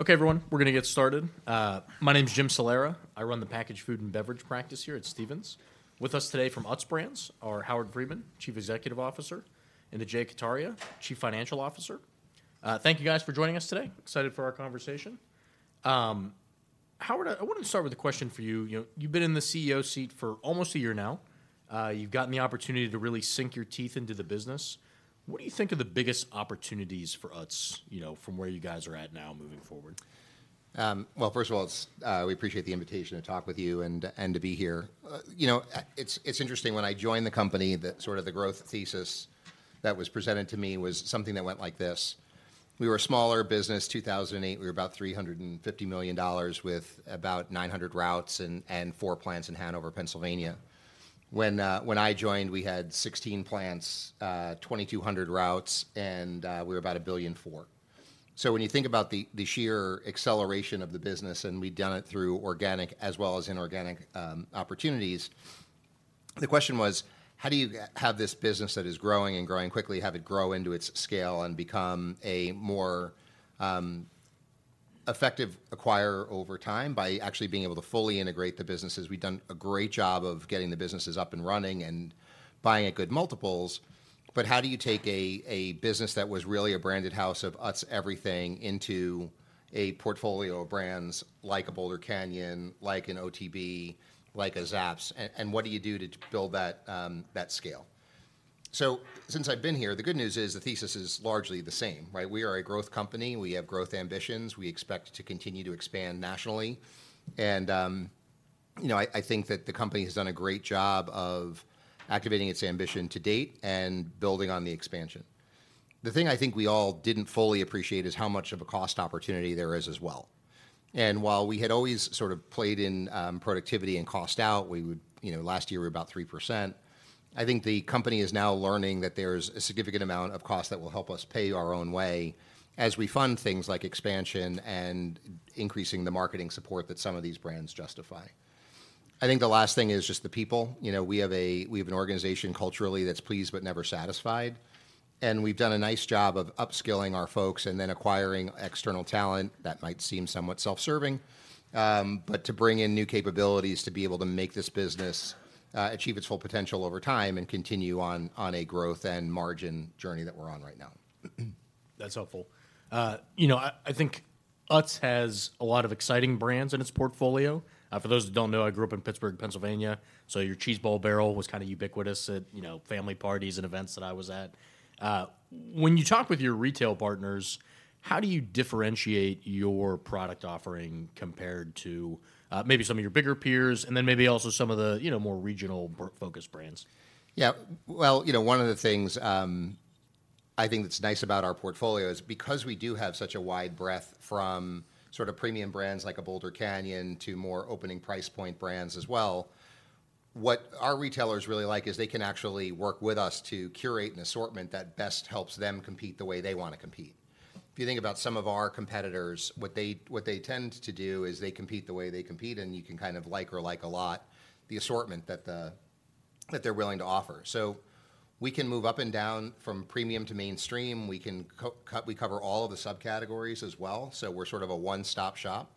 Okay, everyone, we're gonna get started. My name's Jim Salera. I run the packaged food and beverage practice here at Stephens. With us today from Utz Brands are Howard Friedman, Chief Executive Officer, and Ajay Kataria, Chief Financial Officer. Thank you, guys, for joining us today. Excited for our conversation. Howard, I wanted to start with a question for you. You know, you've been in the CEO seat for almost a year now. You've gotten the opportunity to really sink your teeth into the business. What do you think are the biggest opportunities for Utz, you know, from where you guys are at now moving forward? Well, first of all, it's, we appreciate the invitation to talk with you and, and to be here. You know, it's, it's interesting, when I joined the company, the sort of the growth thesis that was presented to me was something that went like this: We were a smaller business, 2008, we were about $350 million with about 900 routes and, and four plants in Hanover, Pennsylvania. When, when I joined, we had 16 plants, 2200 routes, and, we were about $1.4 billion. So when you think about the sheer acceleration of the business, and we've done it through organic as well as inorganic opportunities, the question was: How do you have this business that is growing and growing quickly, have it grow into its scale and become a more effective acquirer over time by actually being able to fully integrate the businesses? We've done a great job of getting the businesses up and running and buying at good multiples, but how do you take a business that was really a branded house of Utz everything into a portfolio of brands like a Boulder Canyon, like an OTB, like a Zapp's, and what do you do to build that scale? So since I've been here, the good news is the thesis is largely the same, right? We are a growth company. We have growth ambitions. We expect to continue to expand nationally, and, you know, I, I think that the company has done a great job of activating its ambition to date and building on the expansion. The thing I think we all didn't fully appreciate is how much of a cost opportunity there is as well. And while we had always sort of played in, productivity and cost out, we would... You know, last year, we were about 3%. I think the company is now learning that there's a significant amount of cost that will help us pay our own way as we fund things like expansion and increasing the marketing support that some of these brands justify. I think the last thing is just the people. You know, we have an organization culturally that's pleased but never satisfied, and we've done a nice job of upskilling our folks and then acquiring external talent. That might seem somewhat self-serving, but to bring in new capabilities to be able to make this business achieve its full potential over time and continue on a growth and margin journey that we're on right now. That's helpful. You know, I think Utz has a lot of exciting brands in its portfolio. For those that don't know, I grew up in Pittsburgh, Pennsylvania, so your Cheese Ball Barrel was kind of ubiquitous at, you know, family parties and events that I was at. When you talk with your retail partners, how do you differentiate your product offering compared to maybe some of your bigger peers, and then maybe also some of the, you know, more regional-focused brands? Yeah. Well, you know, one of the things, I think that's nice about our portfolio is because we do have such a wide breadth from sort of premium brands like Boulder Canyon to more opening price point brands as well, what our retailers really like is they can actually work with us to curate an assortment that best helps them compete the way they want to compete. If you think about some of our competitors, what they tend to do is they compete the way they compete, and you can kind of like or dislike a lot the assortment that they're willing to offer. So we can move up and down from premium to mainstream. We can cover all of the subcategories as well, so we're sort of a one-stop shop.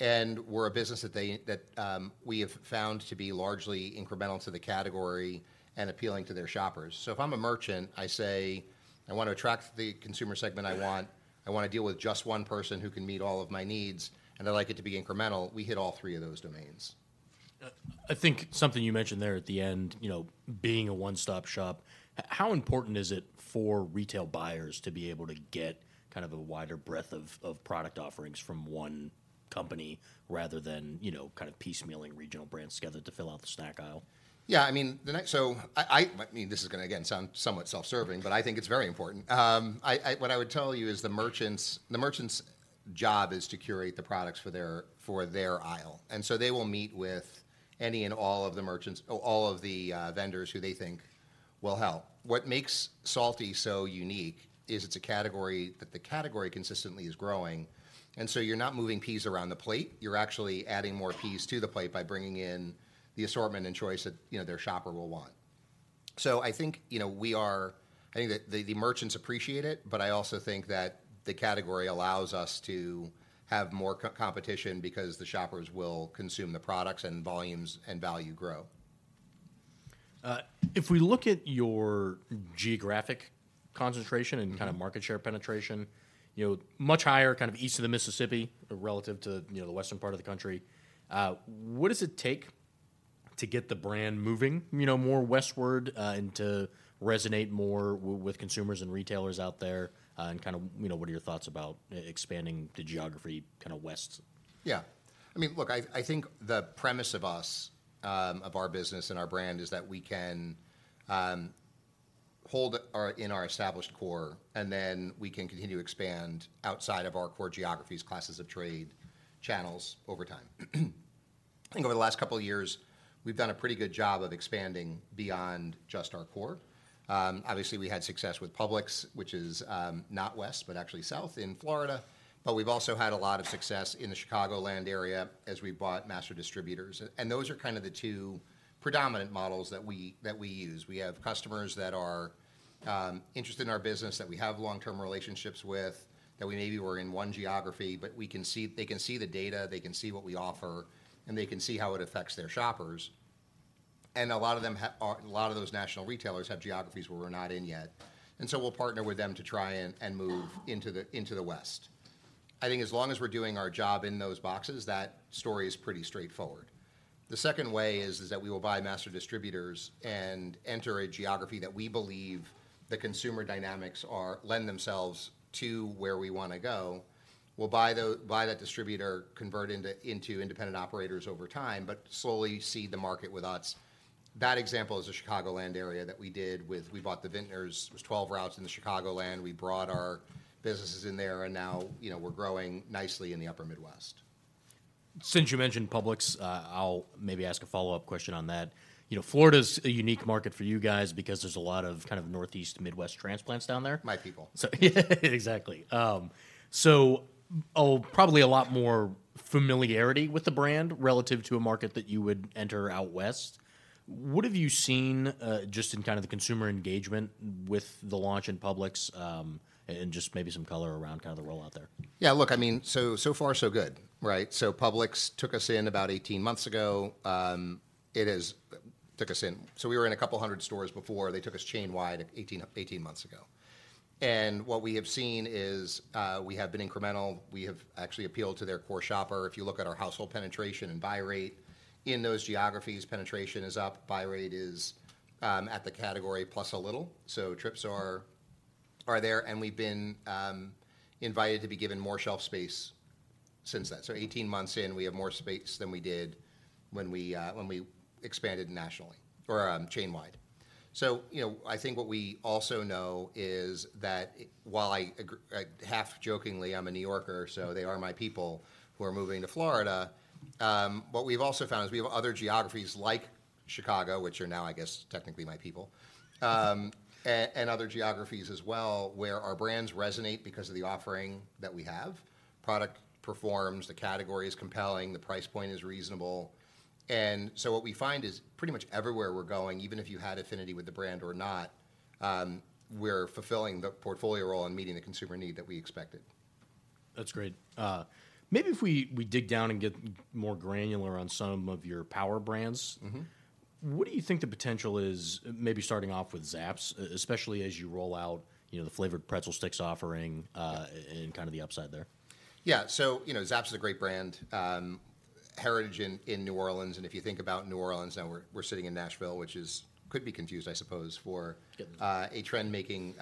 And we're a business that they... that, we have found to be largely incremental to the category and appealing to their shoppers. So if I'm a merchant, I say, "I want to attract the consumer segment I want. I want to deal with just one person who can meet all of my needs, and I'd like it to be incremental," we hit all three of those domains. I think something you mentioned there at the end, you know, being a one-stop shop, how important is it for retail buyers to be able to get kind of a wider breadth of product offerings from one company rather than, you know, kind of piecemealing regional brands together to fill out the snack aisle? Yeah, I mean, this is gonna again sound somewhat self-serving, but I think it's very important. What I would tell you is the merchant's, the merchant's job is to curate the products for their, for their aisle, and so they will meet with any and all of the merchants or all of the vendors who they think will help. What makes salty so unique is it's a category that the category consistently is growing, and so you're not moving peas around the plate, you're actually adding more peas to the plate by bringing in the assortment and choice that, you know, their shopper will want. So I think, you know, we are... I think that the merchants appreciate it, but I also think that the category allows us to have more co-opetition because the shoppers will consume the products, and volumes and value grow. If we look at your geographic concentration- Mm-hmm... and kind of market share penetration, you know, much higher kind of east of the Mississippi relative to, you know, the western part of the country. What does it take to get the brand moving, you know, more westward, and to resonate more with consumers and retailers out there? And kind of, you know, what are your thoughts about expanding the geography kind of west? Yeah. I mean, look, I think the premise of us of our business and our brand is that we can hold our in our established core, and then we can continue to expand outside of our core geographies, classes of trade, channels over time. I think over the last couple of years, we've done a pretty good job of expanding beyond just our core. Obviously, we had success with Publix, which is not west, but actually south in Florida, but we've also had a lot of success in the Chicagoland area as we bought master distributors. And those are kind of the two predominant models that we that we use. We have customers that are interested in our business, that we have long-term relationships with, that we maybe were in one geography, but we can see, they can see the data, they can see what we offer, and they can see how it affects their shoppers... and a lot of them are, a lot of those national retailers have geographies where we're not in yet, and so we'll partner with them to try and move into the West. I think as long as we're doing our job in those boxes, that story is pretty straightforward. The second way is that we will buy master distributors and enter a geography that we believe the consumer dynamics are lend themselves to where we wanna go. We'll buy that distributor, convert into independent operators over time, but slowly seed the market with us. That example is the Chicagoland area that we did with... We bought the Vitner's. It was 12 routes in the Chicagoland. We brought our businesses in there, and now, you know, we're growing nicely in the upper Midwest. Since you mentioned Publix, I'll maybe ask a follow-up question on that. You know, Florida's a unique market for you guys because there's a lot of kind of Northeast, Midwest transplants down there. My people. So exactly. So, oh, probably a lot more familiarity with the brand relative to a market that you would enter out West. What have you seen, just in kind of the consumer engagement with the launch in Publix, and just maybe some color around kinda the rollout there? Yeah, look, I mean, so, so far, so good, right? So Publix took us in about 18 months ago. So we were in a couple 100s stores before. They took us chain-wide 18 months ago. And what we have seen is, we have been incremental. We have actually appealed to their core shopper. If you look at our household penetration and buy rate in those geographies, penetration is up, buy rate is at the category plus a little. So trips are there, and we've been invited to be given more shelf space since that. So 18 months in, we have more space than we did when we expanded nationally for chain-wide. So, you know, I think what we also know is that while I agree, half jokingly, I'm a New Yorker, so they are my people who are moving to Florida. What we've also found is we have other geographies like Chicago, which are now, I guess, technically my people, and other geographies as well, where our brands resonate because of the offering that we have. Product performs, the category is compelling, the price point is reasonable. And so what we find is pretty much everywhere we're going, even if you had affinity with the brand or not, we're fulfilling the portfolio role and meeting the consumer need that we expected. That's great. Maybe if we dig down and get more granular on some of your power brands- Mm-hmm. What do you think the potential is, maybe starting off with Zapp's, especially as you roll out, you know, the flavored pretzel sticks offering, and kind of the upside there? Yeah. So, you know, Zapp's is a great brand, heritage in New Orleans, and if you think about New Orleans, now we're sitting in Nashville, which is... could be confused, I suppose, for- Yep... a trend-making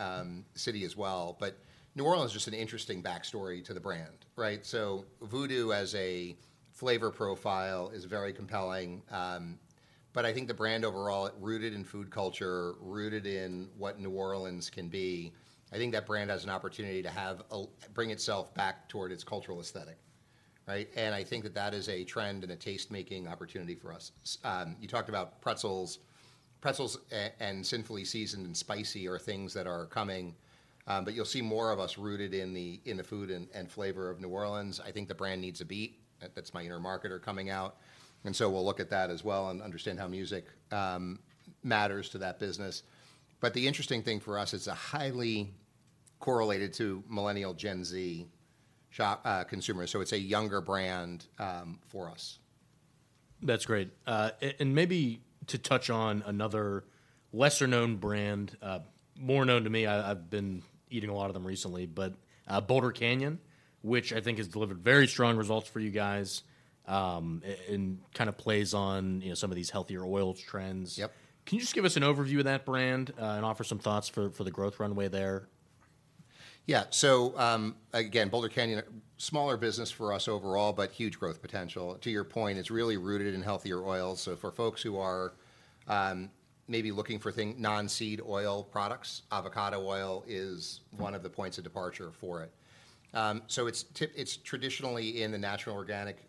city as well. But New Orleans is just an interesting backstory to the brand, right? So Voodoo as a flavor profile is very compelling, but I think the brand overall, rooted in food culture, rooted in what New Orleans can be, I think that brand has an opportunity to bring itself back toward its cultural aesthetic, right? And I think that that is a trend and a taste-making opportunity for us. You talked about pretzels. Pretzels and sinfully seasoned and spicy are things that are coming, but you'll see more of us rooted in the food and flavor of New Orleans. I think the brand needs a beat. That's my inner marketer coming out, and so we'll look at that as well and understand how music matters to that business. But the interesting thing for us, it's a highly correlated to millennial Gen Z consumers, so it's a younger brand, for us. That's great. And maybe to touch on another lesser-known brand, more known to me, I've been eating a lot of them recently, but Boulder Canyon, which I think has delivered very strong results for you guys, and kind of plays on, you know, some of these healthier oils trends. Yep. Can you just give us an overview of that brand, and offer some thoughts for the growth runway there? Yeah. So, again, Boulder Canyon, a smaller business for us overall, but huge growth potential. To your point, it's really rooted in healthier oils. So for folks who are, maybe looking for non-seed oil products, avocado oil is one of the points of departure for it. So it's traditionally in the natural organic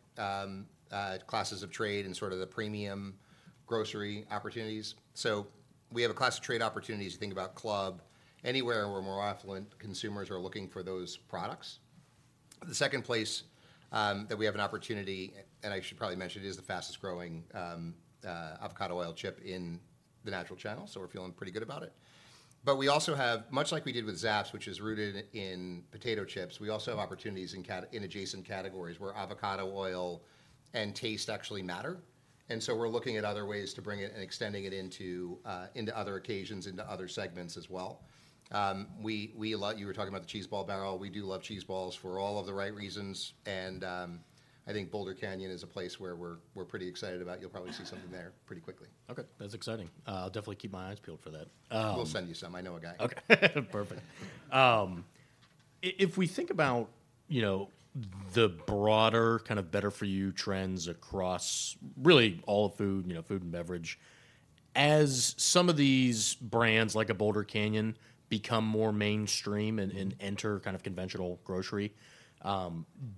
classes of trade and sort of the premium grocery opportunities. So we have a class of trade opportunities to think about club, anywhere where more affluent consumers are looking for those products. The second place that we have an opportunity, and I should probably mention, it is the fastest growing avocado oil chip in the natural channel, so we're feeling pretty good about it. But we also have, much like we did with Zapp's, which is rooted in potato chips, we also have opportunities in adjacent categories where avocado oil and taste actually matter, and so we're looking at other ways to bring it and extending it into other occasions, into other segments as well. We love... You were talking about the Cheese Ball Barrel. We do love cheese balls for all of the right reasons, and I think Boulder Canyon is a place where we're pretty excited about. You'll probably see something there pretty quickly. Okay, that's exciting. I'll definitely keep my eyes peeled for that. We'll send you some. I know a guy. Okay. Perfect. If we think about, you know, the broader kind of better-for-you trends across really all food, you know, food and beverage, as some of these brands, like a Boulder Canyon, become more mainstream and enter kind of conventional grocery,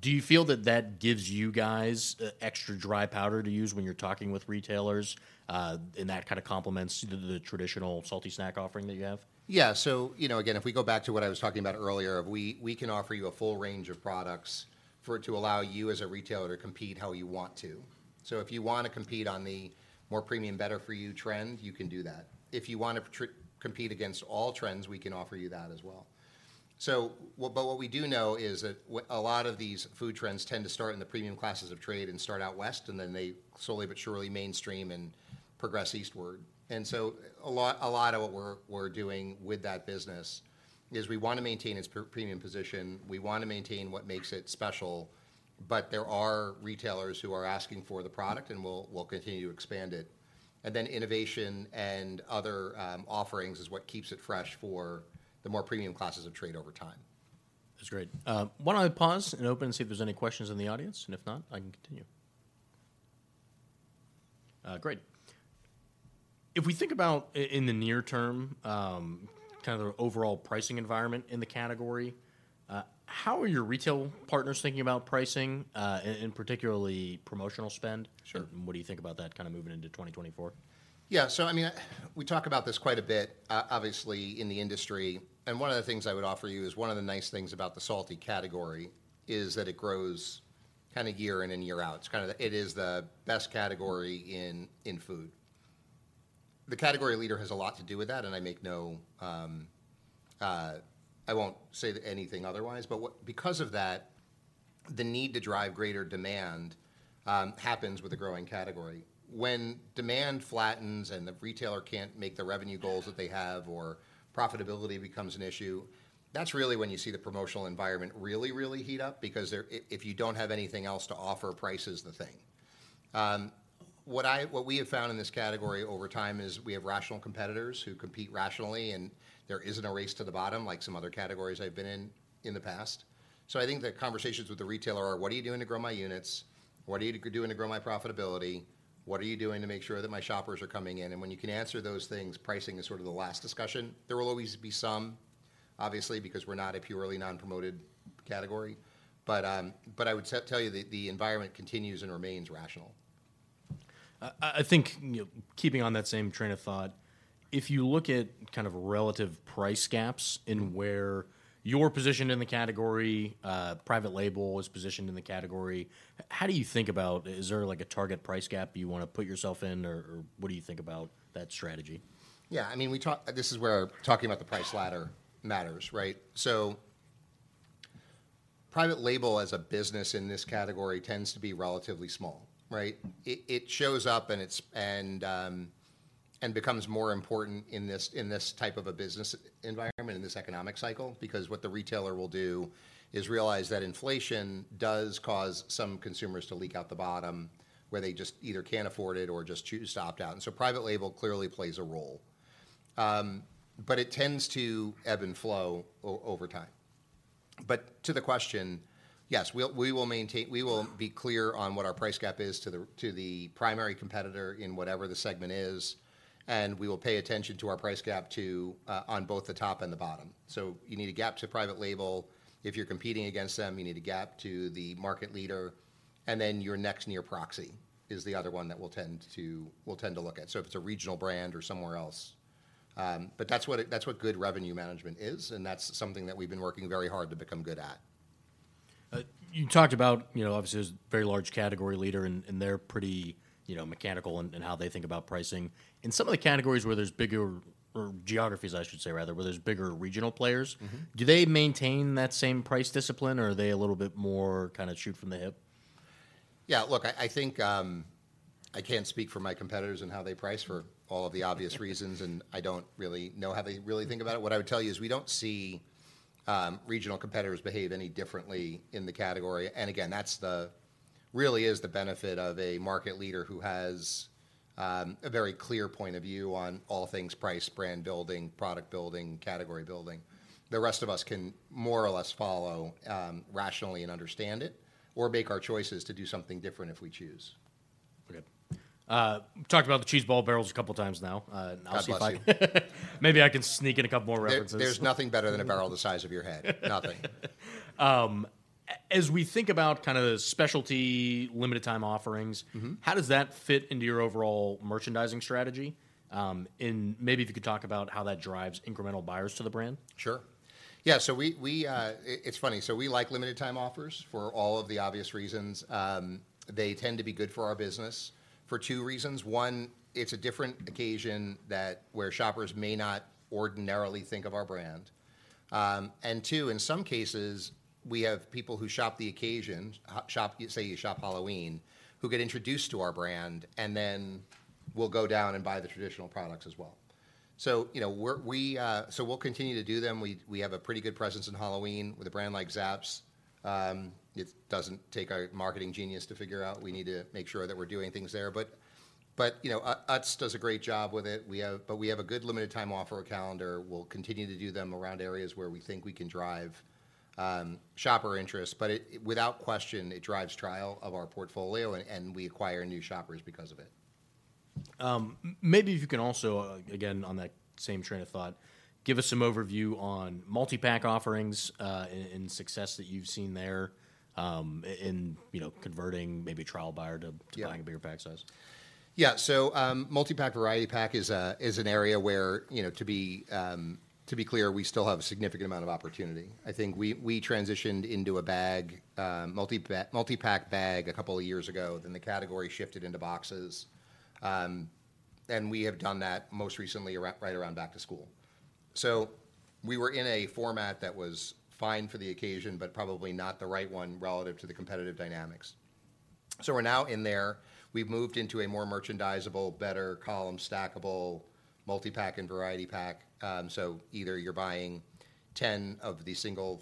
do you feel that that gives you guys extra dry powder to use when you're talking with retailers, and that kind of complements the traditional salty snack offering that you have? Yeah. So, you know, again, if we go back to what I was talking about earlier, we can offer you a full range of products for it to allow you, as a retailer, to compete how you want to. So if you wanna compete on the more premium, better-for-you trend, you can do that. If you want to compete against all trends, we can offer you that as well. So, but what we do know is that a lot of these food trends tend to start in the premium classes of trade and start out west, and then they slowly but surely mainstream and progress eastward. And so a lot of what we're doing with that business is we want to maintain its premium position, we want to maintain what makes it special, but there are retailers who are asking for the product, and we'll continue to expand it. And then innovation and other offerings is what keeps it fresh for the more premium classes of trade over time. That's great. Why don't I pause and open and see if there's any questions in the audience, and if not, I can continue. Great. If we think about in the near term, kind of the overall pricing environment in the category, how are your retail partners thinking about pricing, and particularly promotional spend? Sure. What do you think about that kind of moving into 2024? Yeah, so I mean, we talk about this quite a bit, obviously, in the industry, and one of the things I would offer you is one of the nice things about the salty category is that it grows kind of year in and year out. It's kind of the-- it is the best category in, in food. The category leader has a lot to do with that, and I make no, I won't say anything otherwise, but what-- because of that, the need to drive greater demand, happens with a growing category. When demand flattens and the retailer can't make the revenue goals that they have, or profitability becomes an issue, that's really when you see the promotional environment really, really heat up, because they're-- if you don't have anything else to offer, price is the thing. What we have found in this category over time is we have rational competitors who compete rationally, and there isn't a race to the bottom like some other categories I've been in, in the past. So I think the conversations with the retailer are: "What are you doing to grow my units? What are you doing to grow my profitability? What are you doing to make sure that my shoppers are coming in?" And when you can answer those things, pricing is sort of the last discussion. There will always be some, obviously, because we're not a purely non-promoted category, but I would tell you that the environment continues and remains rational. I think, you know, keeping on that same train of thought, if you look at kind of relative price gaps in where you're positioned in the category, private label is positioned in the category, how do you think about... Is there, like, a target price gap you want to put yourself in, or, or what do you think about that strategy? Yeah, I mean, we talk, this is where talking about the price ladder matters, right? So private label as a business in this category tends to be relatively small, right? It, it shows up, and it's... And, and becomes more important in this, in this type of a business environment, in this economic cycle, because what the retailer will do is realize that inflation does cause some consumers to leak out the bottom, where they just either can't afford it or just choose to opt out. And so private label clearly plays a role. But it tends to ebb and flow over time. But to the question, yes, we'll, we will maintain- we will be clear on what our price gap is to the, to the primary competitor in whatever the segment is, and we will pay attention to our price gap to, on both the top and the bottom. So you need a gap to private label. If you're competing against them, you need a gap to the market leader, and then your next near proxy is the other one that we'll tend to, we'll tend to look at. So if it's a regional brand or somewhere else, but that's what good revenue management is, and that's something that we've been working very hard to become good at. You talked about, you know, obviously, there's a very large category leader, and they're pretty, you know, mechanical in how they think about pricing. In some of the categories where there's bigger, or geographies, I should say, rather, where there's bigger regional players- Mm-hmm... do they maintain that same price discipline, or are they a little bit more kind of shoot from the hip? Yeah, look, I think I can't speak for my competitors and how they price for all of the obvious reasons, and I don't really know how they really think about it. What I would tell you is we don't see regional competitors behave any differently in the category. And again, that's really the benefit of a market leader who has a very clear point of view on all things price, brand building, product building, category building. The rest of us can more or less follow rationally and understand it, or make our choices to do something different if we choose. Okay. Talked about the Cheese Ball Barrels a couple times now, and I'll see if I- God bless you. Maybe I can sneak in a couple more references. There, there's nothing better than a barrel the size of your head. Nothing. As we think about kind of the specialty, limited time offerings- Mm-hmm... how does that fit into your overall merchandising strategy? Maybe if you could talk about how that drives incremental buyers to the brand. Sure. Yeah, so it's funny, so we like limited-time offers for all of the obvious reasons. They tend to be good for our business for two reasons: one, it's a different occasion that where shoppers may not ordinarily think of our brand, and two, in some cases, we have people who shop the occasion, shop-- say, you shop Halloween, who get introduced to our brand and then will go down and buy the traditional products as well. So, you know, so we'll continue to do them. We have a pretty good presence in Halloween with a brand like Zapp's. It doesn't take a marketing genius to figure out we need to make sure that we're doing things there. But, you know, Utz does a great job with it. But we have a good limited time offer calendar. We'll continue to do them around areas where we think we can drive shopper interest, but it, without question, it drives trial of our portfolio, and, and we acquire new shoppers because of it. Maybe if you can also, again, on that same train of thought, give us some overview on multi-pack offerings, and success that you've seen there, in, you know, converting maybe a trial buyer to- Yeah... to buying a bigger pack size. Yeah, so, multi-pack, variety pack is an area where, you know, to be clear, we still have a significant amount of opportunity. I think we transitioned into a bag, multi-pack bag a couple of years ago, then the category shifted into boxes. And we have done that most recently around, right around back to school. So we were in a format that was fine for the occasion, but probably not the right one relative to the competitive dynamics. So we're now in there. We've moved into a more merchandisable, better column, stackable, multi-pack, and variety pack. So either you're buying 10 of a single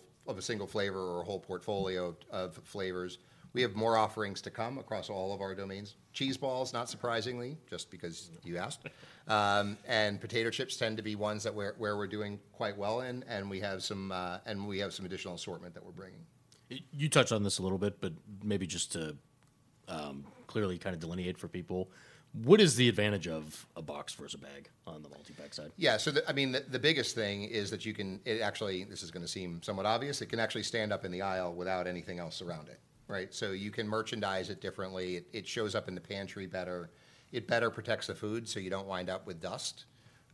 flavor or a whole portfolio of flavors. We have more offerings to come across all of our domains. Cheese balls, not surprisingly, just because you asked. And potato chips tend to be ones that we're where we're doing quite well in, and we have some, and we have some additional assortment that we're bringing. You touched on this a little bit, but maybe just to clearly kind of delineate for people, what is the advantage of a box versus a bag on the multi-pack side? Yeah, so, I mean, the biggest thing is that you can... It actually, this is gonna seem somewhat obvious, it can actually stand up in the aisle without anything else around it, right? So you can merchandise it differently. It shows up in the pantry better. It better protects the food, so you don't wind up with dust.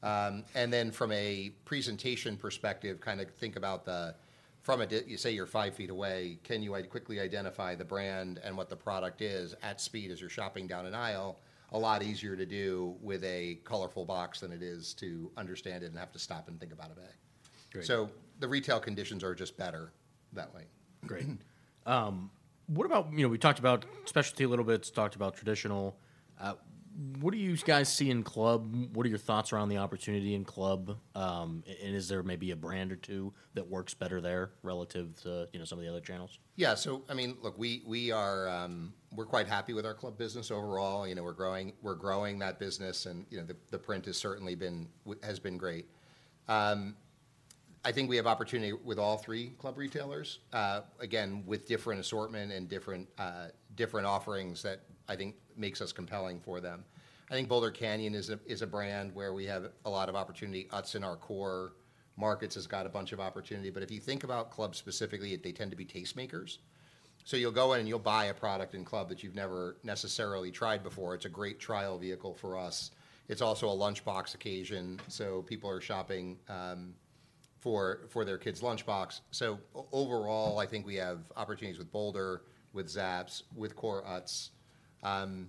And then from a presentation perspective, kind of think about the, say, you're five feet away, can you quickly identify the brand and what the product is at speed as you're shopping down an aisle? A lot easier to do with a colorful box than it is to understand it and have to stop and think about a bag. Great. The retail conditions are just better that way. Great. What about... You know, we talked about specialty a little bit, talked about traditional. What do you guys see in club? What are your thoughts around the opportunity in club, and is there maybe a brand or two that works better there, relative to, you know, some of the other channels? Yeah. So I mean, look, we're quite happy with our club business overall. You know, we're growing, we're growing that business, and, you know, the print has certainly been great. I think we have opportunity with all three club retailers, again, with different assortment and different offerings that I think makes us compelling for them. I think Boulder Canyon is a brand where we have a lot of opportunity. Utz, in our core markets, has got a bunch of opportunities, but if you think about club specifically, they tend to be tastemakers. So you'll go in, and you'll buy a product in club that you've never necessarily tried before. It's a great trial vehicle for us. It's also a lunchbox occasion, so people are shopping for their kids' lunchbox. So overall, I think we have opportunities with Boulder, with Zapp's, with core Utz, and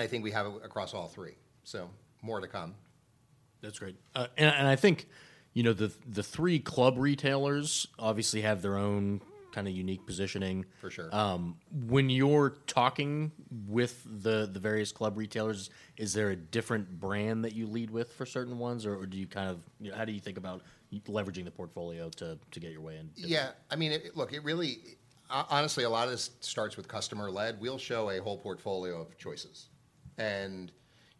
I think we have it across all three. So more to come. That's great. And I think, you know, the three club retailers obviously have their own kind of unique positioning. For sure. When you're talking with the various club retailers, is there a different brand that you lead with for certain ones, or do you kind of... You know, how do you think about leveraging the portfolio to get your way in? Yeah. I mean, honestly, a lot of this starts with customer lead. We'll show a whole portfolio of choices, and,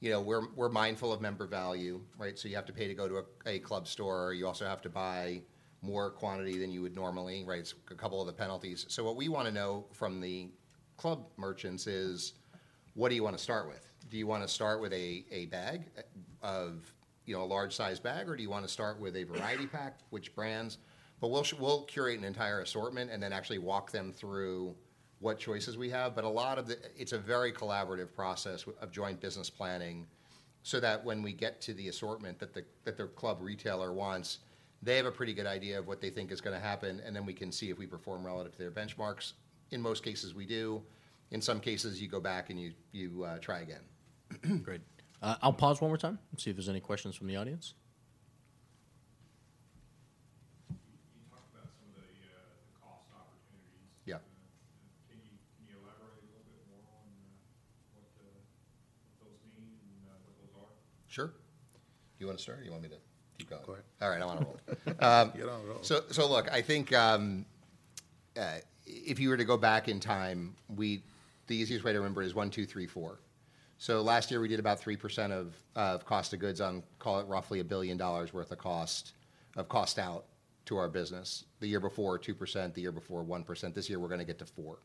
you know, we're mindful of member value, right? So you have to pay to go to a club store. You also have to buy more quantity than you would normally, right? A couple of the penalties. So what we want to know from the club merchants is: What do you want to start with? Do you want to start with a bag of, you know, a large-sized bag, or do you want to start with a variety pack? Which brands? But we'll curate an entire assortment and then actually walk them through what choices we have. But a lot of the... It's a very collaborative process of joint business planning so that when we get to the assortment that the club retailer wants, they have a pretty good idea of what they think is gonna happen, and then we can see if we perform relative to their benchmarks. In most cases, we do. In some cases, you go back and you try again. Great. I'll pause one more time and see if there's any questions from the audience. You talked about some of the cost opportunities. Yeah. Can you elaborate a little bit more on what those mean and what those are? Sure. Do you want to start, or you want me to keep going? Go ahead. All right, I want to roll. Get on a roll. So look, I think if you were to go back in time, we... The easiest way to remember it is one, two, three, four. So last year, we did about 3% of cost of goods on, call it, roughly $1 billion worth of cost out to our business. The year before, 2%; the year before, 1%. This year, we're gonna get to 4%.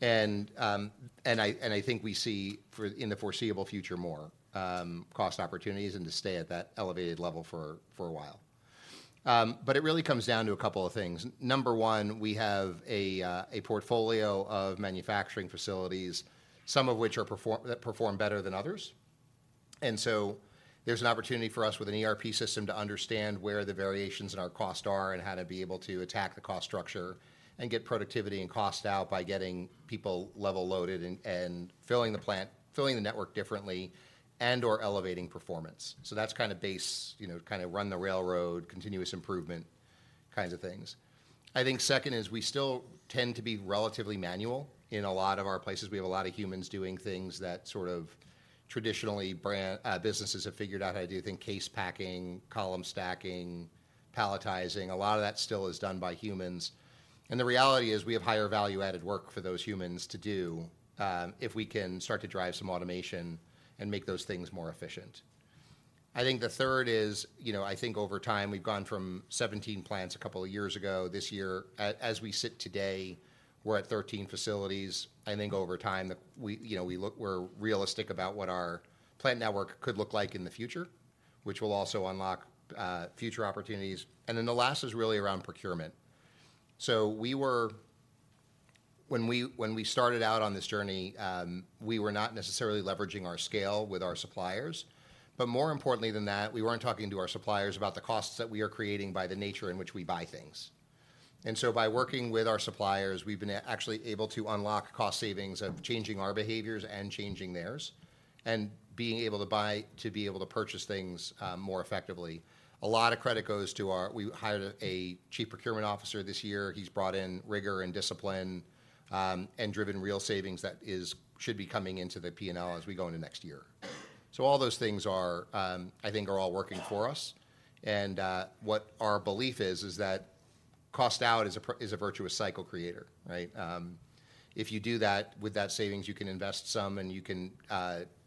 And I think we see in the foreseeable future, more cost opportunities and to stay at that elevated level for a while. But it really comes down to a couple of things. Number one, we have a portfolio of manufacturing facilities, some of which perform better than others. And so there's an opportunity for us with an ERP system to understand where the variations in our costs are and how to be able to attack the cost structure and get productivity and cost out by getting people level loaded and filling the plant, filling the network differently and/or elevating performance. So that's kind of base, you know, kind of run the railroad, continuous improvement kinds of things. I think the second is, we still tend to be relatively manual in a lot of our places. We have a lot of humans doing things that sort of traditionally branded businesses have figured out how to do. Think case packing, column stacking, palletizing, a lot of that still is done by humans, and the reality is, we have higher value-added work for those humans to do, if we can start to drive some automation and make those things more efficient. I think the third is, you know, I think over time, we've gone from 17 plants a couple of years ago. This year, as we sit today, we're at 13 facilities. I think over time, we, you know, we look—we're realistic about what our plant network could look like in the future, which will also unlock future opportunities. And then the last is really around procurement. So when we started out on this journey, we were not necessarily leveraging our scale with our suppliers, but more importantly than that, we weren't talking to our suppliers about the costs that we are creating by the nature in which we buy things. And so by working with our suppliers, we've been actually able to unlock cost savings of changing our behaviors and changing theirs, and being able to purchase things more effectively. A lot of credit goes to—we hired a Chief Procurement Officer this year. He's brought in rigor and discipline, and driven real savings that should be coming into the P&L as we go into next year. So all those things are, I think, all working for us. What our belief is, is that cost out is a virtuous cycle creator, right? If you do that, with that savings, you can invest some, and you can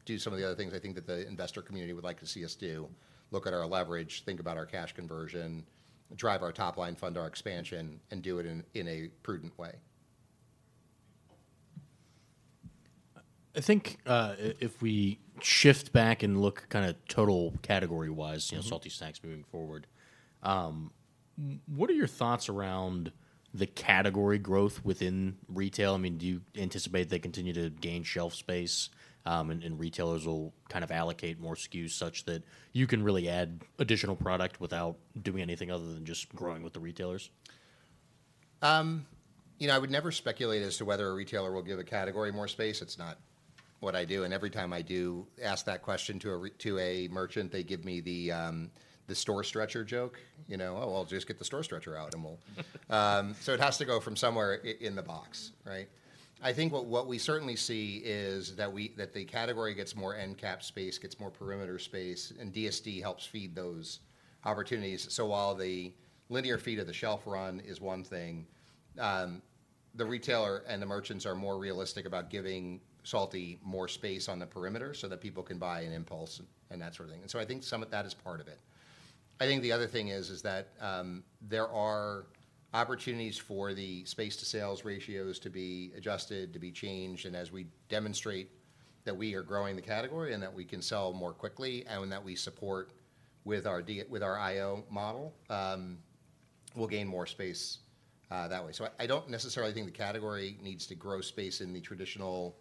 do some of the other things I think that the investor community would like to see us do: look at our leverage, think about our cash conversion, drive our top line, fund our expansion, and do it in a prudent way. I think, if we shift back and look kinda total category-wise- Mm-hmm... you know, salty snacks moving forward, what are your thoughts around the category growth within retail? I mean, do you anticipate they continue to gain shelf space, and retailers will kind of allocate more SKUs, such that you can really add additional product without doing anything other than just growing with the retailers? You know, I would never speculate as to whether a retailer will give a category more space. It's not what I do, and every time I do ask that question to a merchant, they give me the store stretcher joke. You know, "Oh, I'll just get the store stretcher out, and we'll..." So it has to go from somewhere in the box, right? I think what we certainly see is that the category gets more endcap space, gets more perimeter space, and DSD helps feed those opportunities. So while the linear feet of the shelf run is one thing, the retailer and the merchants are more realistic about giving salty more space on the perimeter so that people can buy on impulse and that sort of thing. And so I think some of that is part of it. I think the other thing is that there are opportunities for the space-to-sales ratios to be adjusted, to be changed, and as we demonstrate that we are growing the category, and that we can sell more quickly, and that we support with our DSD with our IO model, we'll gain more space that way. So I don't necessarily think the category needs to grow space in the traditional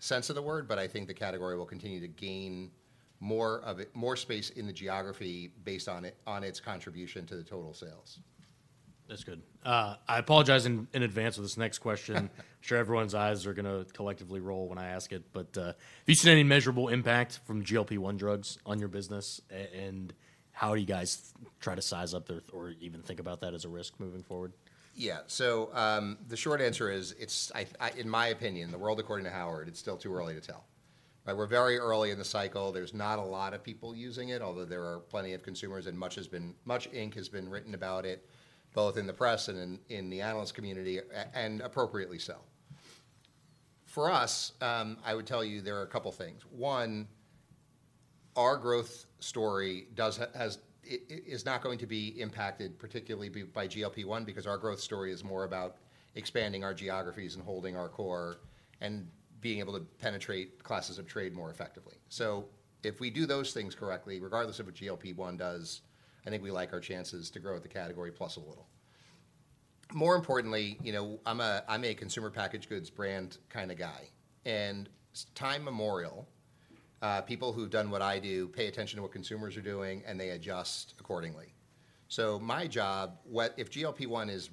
sense of the word, but I think the category will continue to gain more space in the geography based on its contribution to the total sales. That's good. I apologize in advance of this next question. I'm sure everyone's eyes are gonna collectively roll when I ask it, but have you seen any measurable impact from GLP-1 drugs on your business? And how are you guys try to size up their or even think about that as a risk moving forward? Yeah. So, the short answer is, it's in my opinion, the world according to Howard, it's still too early to tell. But we're very early in the cycle. There's not a lot of people using it, although there are plenty of consumers, and much ink has been written about it, both in the press and in the analyst community, and appropriately so. For us, I would tell you, there are a couple things. One, our growth story does has is not going to be impacted, particularly by GLP-1, because our growth story is more about expanding our geographies and holding our core, and being able to penetrate classes of trade more effectively. So if we do those things correctly, regardless of what GLP-1 does, I think we like our chances to grow the category plus a little. More importantly, you know, I'm a, I'm a consumer packaged goods brand kinda guy, and people who've done what I do, pay attention to what consumers are doing, and they adjust accordingly. So, my job, what if GLP-1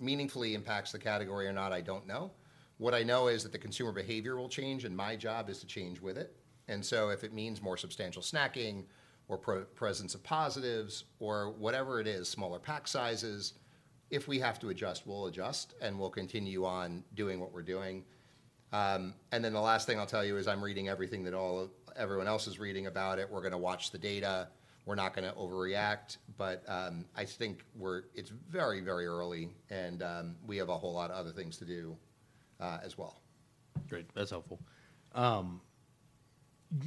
meaningfully impacts the category or not, I don't know. What I know is that the consumer behavior will change, and my job is to change with it. And so if it means more substantial snacking or presence of positives, or whatever it is, smaller pack sizes, if we have to adjust, we'll adjust, and we'll continue on doing what we're doing. And then the last thing I'll tell you is I'm reading everything that all of everyone else is reading about it. We're gonna watch the data. We're not gonna overreact, but I think it's very, very early, and we have a whole lot of other things to do as well. Great. That's helpful.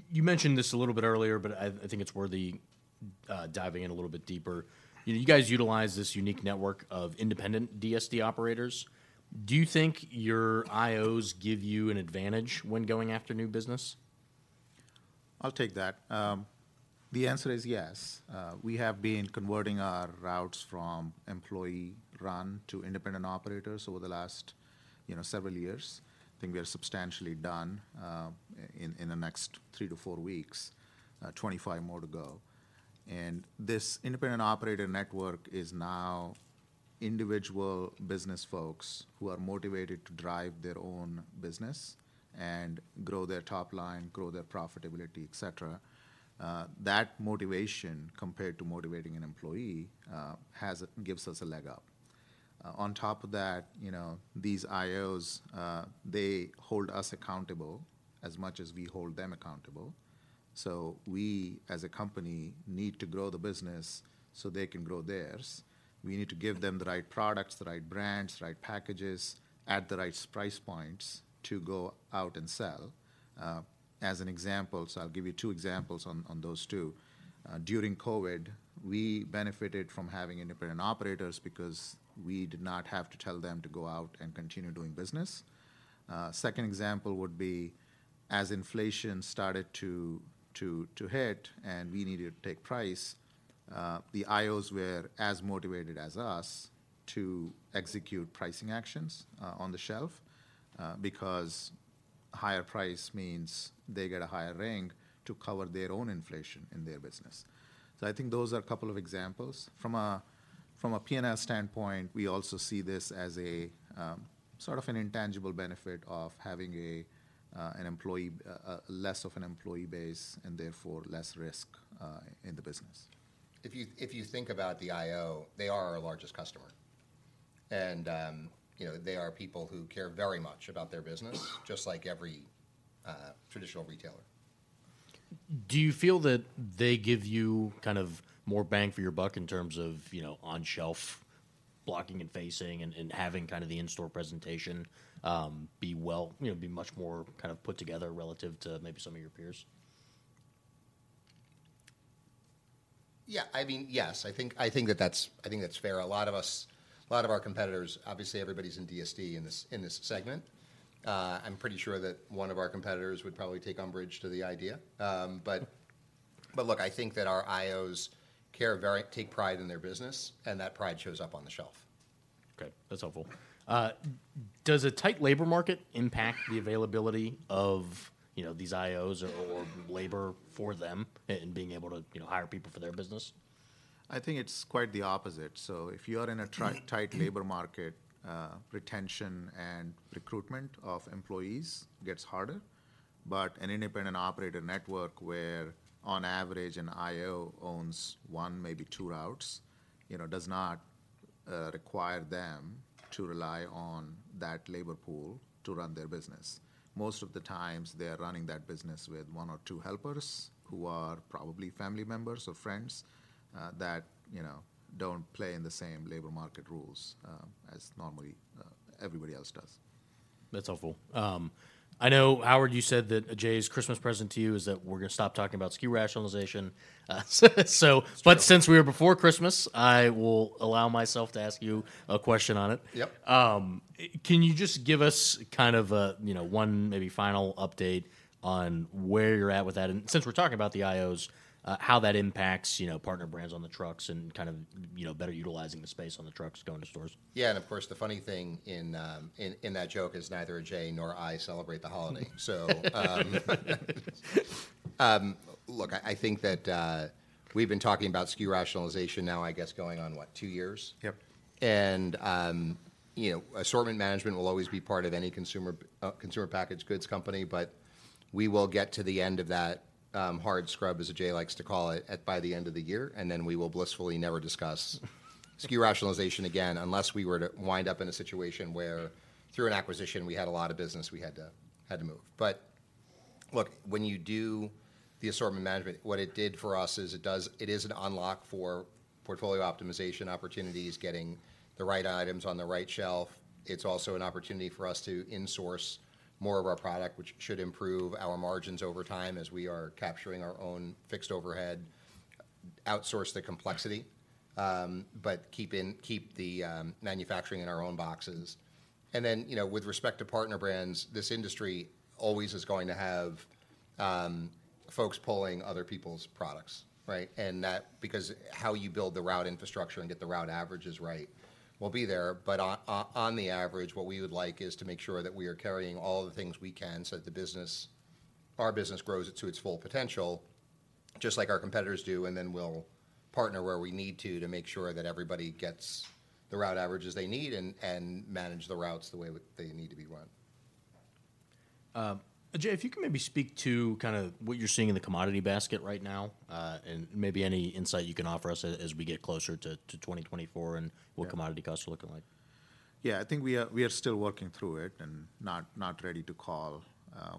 You mentioned this a little bit earlier, but I think it's worth diving in a little bit deeper. You know, you guys utilize this unique network of independent DSD operators. Do you think your IOs give you an advantage when going after new business? I'll take that. The answer is yes. We have been converting our routes from employee-run to independent operators over the last, you know, several years. I think we are substantially done, in the next three to four weeks, 25 more to go. And this independent operator network is now individual business folks who are motivated to drive their own business and grow their top line, grow their profitability, et cetera. That motivation, compared to motivating an employee, gives us a leg up. On top of that, you know, these IOs, they hold us accountable as much as we hold them accountable. So we, as a company, need to grow the business so they can grow theirs. We need to give them the right products, the right brands, the right packages, at the right price points to go out and sell. As an example, so I'll give you two examples on those two. During COVID, we benefited from having independent operators because we did not have to tell them to go out and continue doing business. Second example would be, as inflation started to hit, and we needed to take price, the IOs were as motivated as us to execute pricing actions on the shelf because higher price means they get a higher ring to cover their own inflation in their business. So I think those are a couple of examples. From a P&L standpoint, we also see this as a sort of an intangible benefit of having less of an employee base, and therefore, less risk in the business. If you think about the IO, they are our largest customer. And you know, they are people who care very much about their business, just like every traditional retailer. Do you feel that they give you kind of more bang for your buck in terms of, you know, on-shelf blocking and facing, and, and having kind of the in-store presentation be much more kind of put together relative to maybe some of your peers? Yeah, I mean, yes. I think, I think that that's, I think that's fair. A lot of us, a lot of our competitors, obviously, everybody's in DSD in this, in this segment. I'm pretty sure that one of our competitors would probably take umbrage to the idea. But, but look, I think that our IOs care very take pride in their business, and that pride shows up on the shelf. Okay, that's helpful. Does a tight labor market impact the availability of, you know, these IOs or labor for them, and being able to, you know, hire people for their business? I think it's quite the opposite. So if you are in a tight labor market, retention and recruitment of employees gets harder. But an independent operator network, where on average, an IO owns one, maybe two routes, you know, does not require them to rely on that labor pool to run their business. Most of the times, they are running that business with one or two helpers, who are probably family members or friends, that, you know, don't play in the same labor market rules as normally everybody else does. That's helpful. I know, Howard, you said that Ajay's Christmas present to you is that we're going to stop talking about SKU rationalization, so- Sure. Since we are before Christmas, I will allow myself to ask you a question on it. Yep. Can you just give us kind of a, you know, one maybe final update on where you're at with that? And since we're talking about the IOs, how that impacts, you know, partner brands on the trucks and kind of, you know, better utilizing the space on the trucks going to stores. Yeah, and of course, the funny thing in that joke is neither Ajay nor I celebrate the holiday. So, look, I think that we've been talking about SKU rationalization now, I guess, going on what? Two years. Yep. You know, assortment management will always be part of any consumer packaged goods company, but we will get to the end of that hard scrub, as Ajay likes to call it, by the end of the year, and then we will blissfully never discuss SKU rationalization again, unless we were to wind up in a situation where, through an acquisition, we had a lot of business we had to move. But look, when you do the assortment management, what it did for us is it does. It is an unlock for portfolio optimization opportunities, getting the right items on the right shelf. It's also an opportunity for us to in-source more of our product, which should improve our margins over time as we are capturing our own fixed overhead, outsource the complexity, but keep the manufacturing in our own boxes. And then, you know, with respect to partner brands, this industry always is going to have folks pulling other people's products, right? And that, because how you build the route infrastructure and get the route averages right will be there. But on the average, what we would like is to make sure that we are carrying all of the things we can, so that the business, our business grows it to its full potential, just like our competitors do, and then we'll partner where we need to, to make sure that everybody gets the route averages they need and manage the routes the way they need to be run. Ajay, if you can, maybe speak to kind of what you're seeing in the commodity basket right now, and maybe any insight you can offer us as we get closer to 2024? Yeah... what commodity costs are looking like. Yeah, I think we are, we are still working through it and not, not ready to call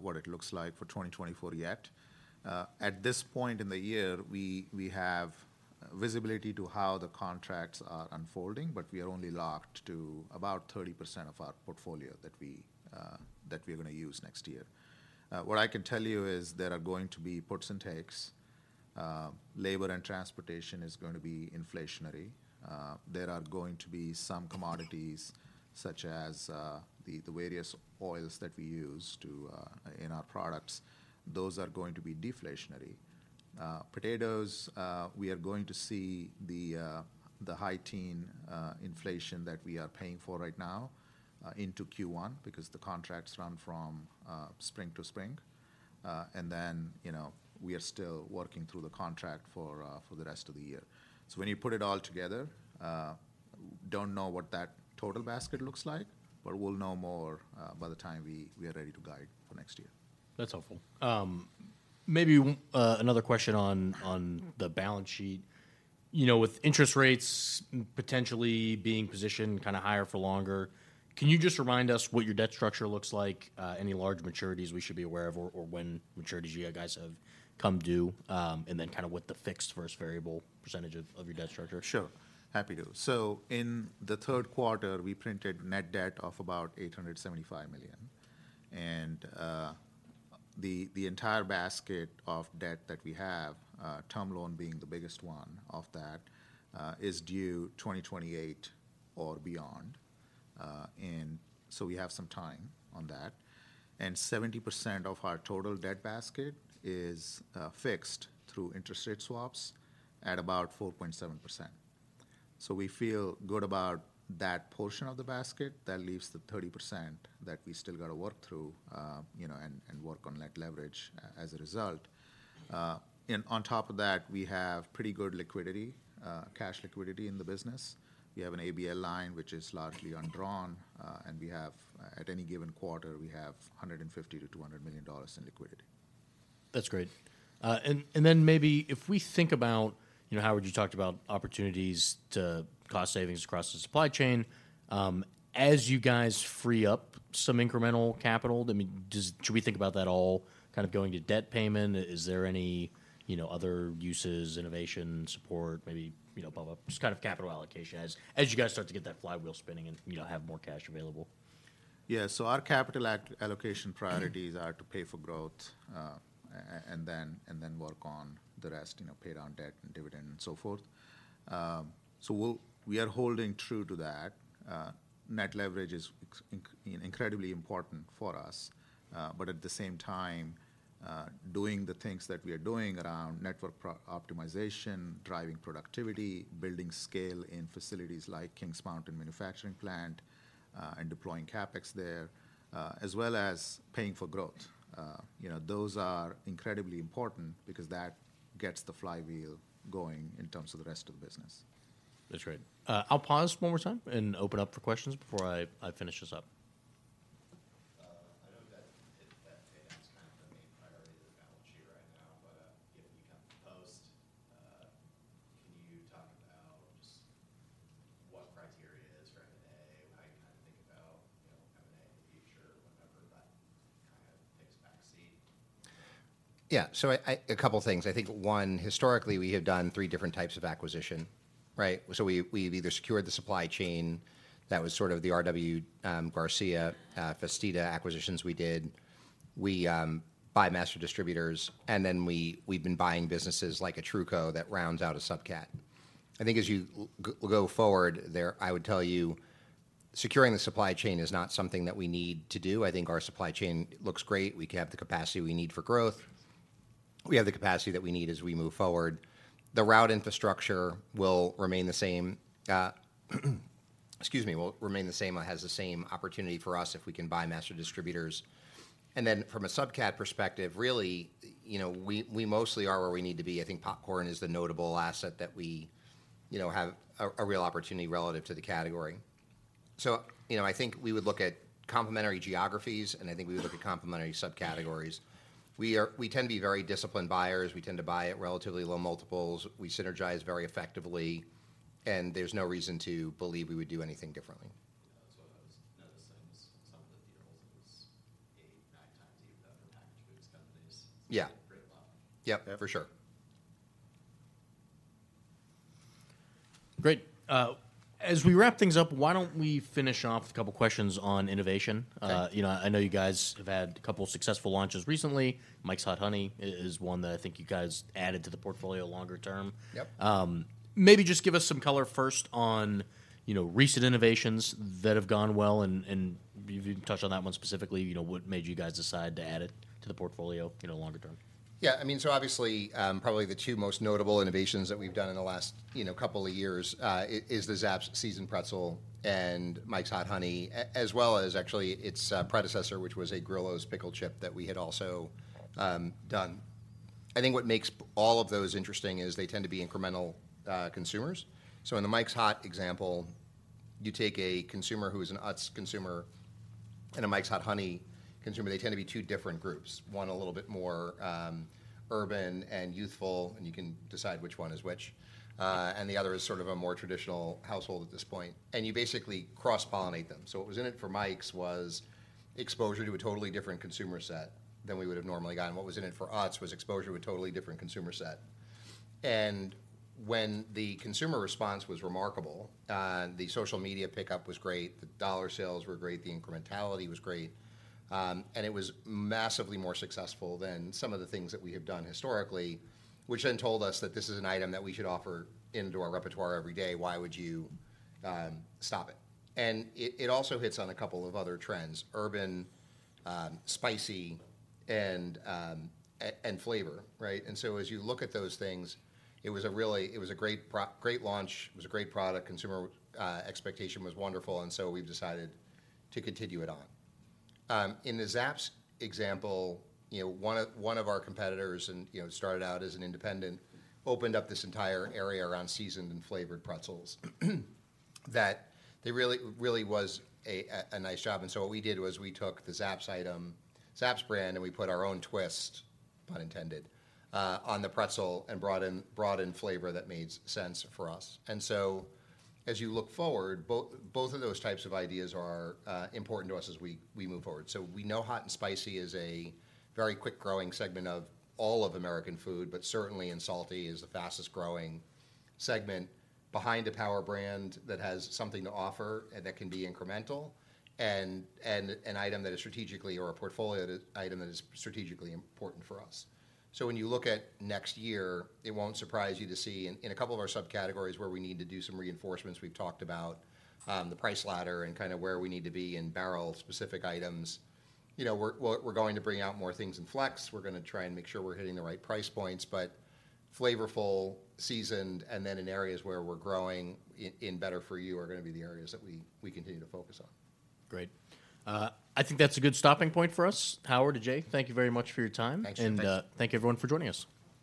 what it looks like for 2024 yet. At this point in the year, we have visibility to how the contracts are unfolding, but we are only locked to about 30% of our portfolio that we, that we're going to use next year. What I can tell you is there are going to be puts and takes. Labor and transportation is going to be inflationary. There are going to be some commodities, such as the various oils that we use in our products. Those are going to be deflationary. Potatoes, we are going to see the high teen inflation that we are paying for right now into Q1, because the contracts run from spring to spring. And then, you know, we are still working through the contract for the rest of the year. So when you put it all together, don't know what that total basket looks like, but we'll know more by the time we are ready to guide for next year. That's helpful. Maybe another question on, Mm... the balance sheet. You know, with interest rates potentially being positioned kind of higher for longer, can you just remind us what your debt structure looks like, any large maturities we should be aware of, or when maturities you guys have come due, and then kind of what the fixed versus variable percentage of your debt structure? Sure, happy to. So in the third quarter, we printed net debt of about $875 million. And, the, the entire basket of debt that we have, term loan being the biggest one of that, is due 2028 or beyond. And so we have some time on that. And 70% of our total debt basket is, fixed through interest rate swaps at about 4.7%. So we feel good about that portion of the basket. That leaves the 30% that we still got to work through, you know, and, and work on net leverage as a result. And on top of that, we have pretty good liquidity, cash liquidity in the business. We have an ABL line, which is largely undrawn, and we have, at any given quarter, we have $150 million-$200 million in liquidity. That's great. And then maybe if we think about, you know, Howard, you talked about opportunities to cost savings across the supply chain. As you guys free up some incremental capital, I mean, should we think about that all kind of going to debt payment? Is there any, you know, other uses, innovation, support, maybe, you know, above up, just kind of capital allocation as you guys start to get that flywheel spinning and, you know, have more cash available? Yeah. So our capital allocation priorities are to pay for growth, and then work on the rest, you know, pay down debt and dividend and so forth. So we are holding true to that. Net leverage is incredibly important for us, but at the same time, doing the things that we are doing around network optimization, driving productivity, building scale in facilities like Kings Mountain manufacturing plant, and deploying CapEx there, as well as paying for growth. You know, those are incredibly important because that gets the flywheel going in terms of the rest of the business. That's right. I'll pause one more time and open up for questions before I finish this up. I know that paydown is kind of the main priority that I want you right now, but, given that you come to Post, can you talk about just what criteria is for M&A? How you kind of think about, you know, M&A in the future or whatever, but kind of takes a back seat? Yeah. So, I... A couple things. I think, one, historically, we have done three different types of acquisition, right? So we, we've either secured the supply chain that was sort of the R.W. Garcia, Festida acquisitions we did. We buy master distributors, and then we, we've been buying businesses like Truco that rounds out a subcat. I think as you go forward there, I would tell you, securing the supply chain is not something that we need to do. I think our supply chain looks great. We have the capacity we need for growth. We have the capacity that we need as we move forward. The route infrastructure will remain the same, excuse me, will remain the same, or has the same opportunity for us if we can buy master distributors. And then from a subcat perspective, really, you know, we, we mostly are where we need to be. I think popcorn is the notable asset that we, you know, have a, a real opportunity relative to the category. So, you know, I think we would look at complementary geographies, and I think we would look at complementary subcategories. We are. We tend to be very disciplined buyers. We tend to buy at relatively low multiples. We synergize very effectively, and there's no reason to believe we would do anything differently. Yeah, that's what I was noticing, was some of the deals, it was a 9x-11x for these companies. Yeah. Great model. Yep, for sure. Great. As we wrap things up, why don't we finish off with a couple of questions on innovation? Sure. You know, I know you guys have had a couple of successful launches recently. Mike's Hot Honey is one that I think you guys added to the portfolio longer term. Yep. Maybe just give us some color first on, you know, recent innovations that have gone well, and if you can touch on that one specifically, you know, what made you guys decide to add it to the portfolio, you know, longer term? Yeah, I mean, so obviously, probably the two most notable innovations that we've done in the last, you know, couple of years, is the Zapp's seasoned pretzel and Mike's Hot Honey, as well as actually its predecessor, which was a Grillo's pickle chip that we had also done. I think what makes all of those interesting is they tend to be incremental consumers. So in the Mike's Hot example, you take a consumer who is an Utz consumer and a Mike's Hot Honey consumer, they tend to be two different groups. One, a little bit more urban and youthful, and you can decide which one is which. And the other is sort of a more traditional household at this point, and you basically cross-pollinate them. So what was in it for Mike's was exposure to a totally different consumer set than we would have normally gotten. What was in it for Utz was exposure to a totally different consumer set. And when the consumer response was remarkable, the social media pickup was great, the dollar sales were great, the incrementality was great, and it was massively more successful than some of the things that we have done historically, which then told us that this is an item that we should offer into our repertoire every day. Why would you stop it? And it also hits on a couple of other trends: urban, spicy, and flavor, right? And so as you look at those things, it was a great launch, it was a great product, consumer expectation was wonderful, and so we've decided to continue it on. In the Zapp's example, you know, one of our competitors, you know, started out as an independent, opened up this entire area around seasoned and flavored pretzels, that there really was a nice job. And so what we did was we took the Zapp's item, Zapp's brand, and we put our own twist, pun intended, on the pretzel and brought in flavor that made sense for us. And so, as you look forward, both of those types of ideas are important to us as we move forward. So we know hot and spicy is a very quick-growing segment of all of American food, but certainly in salty is the fastest-growing segment behind a power brand that has something to offer and that can be incremental, and an item that is strategically or a portfolio item that is strategically important for us. So when you look at next year, it won't surprise you to see in a couple of our subcategories where we need to do some reinforcements. We've talked about the price ladder and kind of where we need to be in barrel-specific items. You know, we're going to bring out more things in flex. We're gonna try and make sure we're hitting the right price points, but flavorful, seasoned, and then in areas where we're growing in better-for-you, are gonna be the areas that we continue to focus on. Great. I think that's a good stopping point for us. Howard and Ajay, thank you very much for your time. Thanks. Thank you, everyone, for joining us.